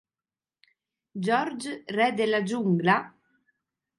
George re della giungla...?